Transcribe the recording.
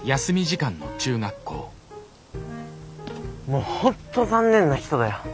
もう本当残念な人だよ！